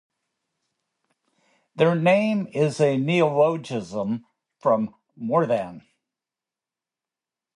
Their name is a neologism from "more-than".